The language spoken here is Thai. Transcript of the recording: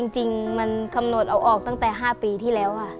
จริงมันกำหนดเอาออกตั้งแต่๕ปีที่แล้วค่ะ